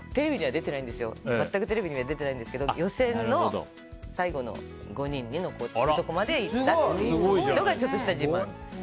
全くテレビでは出ていないんですけど予選の最後の５人までいったっていうのがちょっとした自慢です。